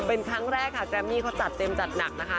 เป็นครั้งแรกค่ะแกรมมี่เขาจัดเต็มจัดหนักนะคะ